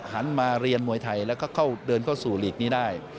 หันมาเรียนมวยไทยแล้วก็เดินเข้าสู่หลีกนี้ได้